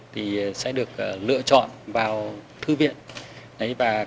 thì sẽ được lựa chọn vào thư viện